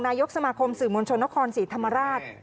นายกสมาคมสืมวลชนครสีธรรมาราช